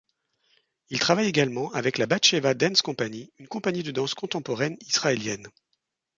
Il travaille également avec la Batsheva Dance Company, une compagnie de danse contemporaine israélienne.